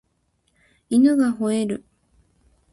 犬が吠える